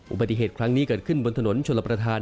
อุบัติเหตุครั้งนี้เกิดขึ้นบนถนนชลประธาน